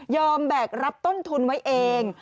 แบกรับต้นทุนไว้เอง